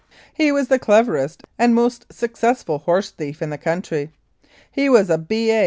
He was the cleverest and most successful horse thief in the country. He was a B.A.